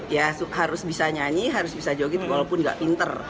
ya harus bisa nyanyi harus bisa joget walaupun nggak pinter